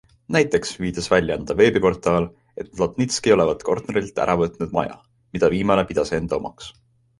Näiteks viitas väljaande veebiportaal, et Plotnitski olevat Kornetilt ära võtnud maja, mida viimane pidas enda omaks.